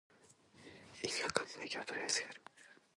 意味わかんないけどとりあえずやる